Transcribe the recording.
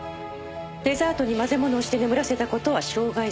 デザートに混ぜ物をして眠らせた事は傷害罪。